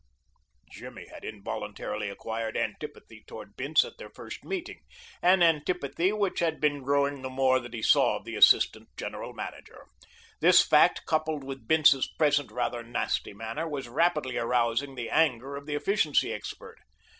Jimmy had involuntarily acquired antipathy toward Bince at their first meeting, an antipathy which had been growing the more that he saw of the assistant general manager. This fact, coupled with Bince's present rather nasty manner, was rapidly arousing the anger of the efficiency expert.